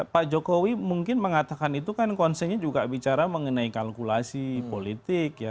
pak jokowi mungkin mengatakan itu kan konsennya juga bicara mengenai kalkulasi politik ya